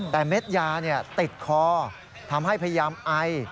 แต่เม็ดยาติดคอทำให้พยายามไอ